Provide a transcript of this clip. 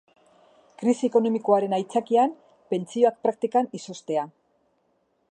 Krisi ekonomikoaren aitzakian pentsioak praktikan izoztea.